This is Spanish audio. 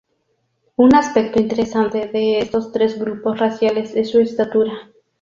Un aspecto interesante de estos tres grupos raciales es su estatura.